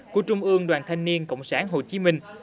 của trung ương đoàn thanh niên cộng sản hồ chí minh